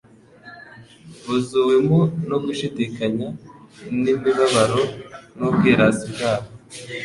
buzuwemo no gushidikanya n'imibabaro n'ubwirasi bwabo;